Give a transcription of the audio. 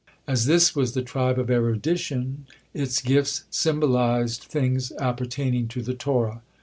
As this was the tribe of erudition, its gifts symbolized things appertaining to the Torah.